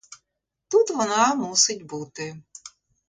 Тут вона мусить бути.